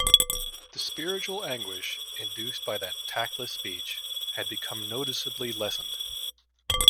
The spiritual anguish induced by that tactless speech had become noticeably lessened.